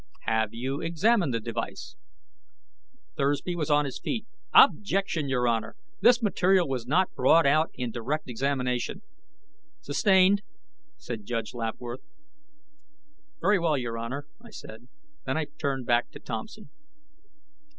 "Have you examined this device?" Thursby was on his feet. "Objection, Your Honor! This material was not brought out in direct examination!" "Sustained," said Judge Lapworth. "Very well, Your Honor," I said. Then I turned back to Thompson.